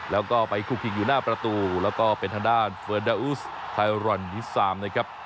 แล้วก็เป็นทางด้านเฟอร์ดาอุสไทรวัลนิสามนะครับ